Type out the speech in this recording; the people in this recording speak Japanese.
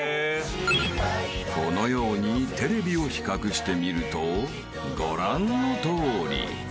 ［このようにテレビを比較してみるとご覧のとおり］